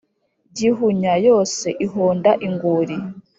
Gihunya yose ihonda inguri